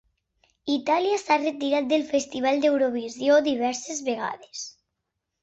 Itàlia s'ha retirat del Festival d'Eurovisió diverses vegades.